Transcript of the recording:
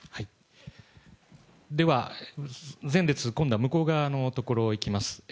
では前列、今度は向こう側のところいきます。